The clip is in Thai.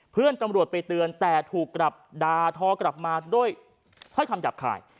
เพื่อนตำรวจไปเตือนแต่ถูกกลับดาทอกลับมาด้วยถ้อยคำหยาบคาย